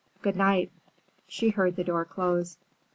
Good night." She heard the door close.